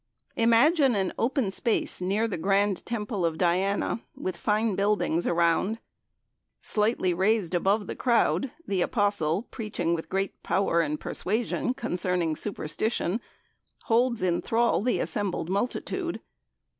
Imagine an open space near the grand Temple of Diana, with fine buildings around. Slightly raised above the crowd, the Apostle, preaching with great power and persuasion concerning superstition, holds in thrall the assembled multitude.